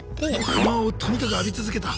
不満をとにかく浴び続けた。